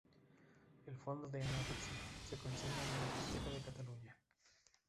El fondo de Anna Ricci se conserva en la Biblioteca de Cataluña.